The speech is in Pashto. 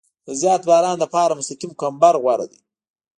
د زیات باران لپاره مستقیم کمبر غوره دی